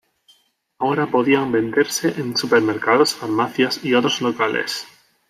Ahora podían venderse en supermercados, farmacias y otros locales.